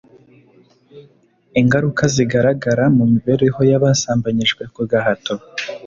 Ingaruka zigaragara mu mibereho y abasambanyijwe ku gahato